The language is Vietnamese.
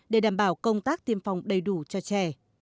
để đảm bảo công tác tiêm phòng đầy đủ cho trẻ